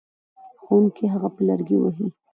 ښوونکی هغه په لرګي وهي.